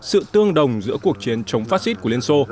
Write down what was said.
sự tương đồng giữa cuộc chiến chống phát xít của liên xô